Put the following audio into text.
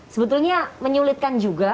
sebetulnya menyulitkan juga